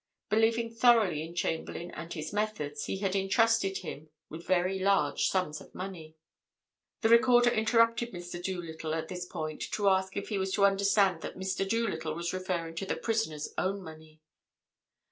Believing thoroughly in Chamberlayne and his methods, he had entrusted him with very large sums of money. "The Recorder interrupted Mr. Doolittle at this point to ask if he was to understand that Mr. Doolittle was referring to the prisoner's own money.